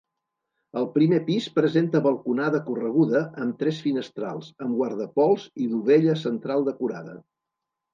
El primer pis presenta balconada correguda amb tres finestrals amb guardapols i dovella central decorada.